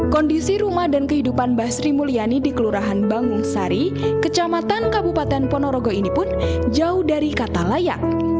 kondisi rumah dan kehidupan mbah sri mulyani di kelurahan bangun sari kecamatan kabupaten ponorogo ini pun jauh dari kata layak